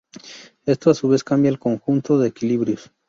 Esto a su vez cambia el conjunto de equilibrios.